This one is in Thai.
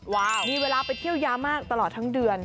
ว้าวมีเวลาไปเที่ยวยาวมากตลอดทั้งเดือน